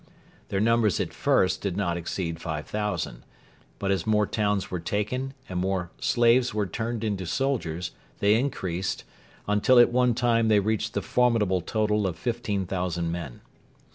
Their numbers at first did not exceed 5,000; but as more towns were taken and more slaves were turned into soldiers they increased, until at one time they reached the formidable total of 15,000 men.